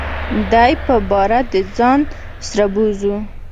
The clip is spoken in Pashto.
دی به باره دځان سره بوزو .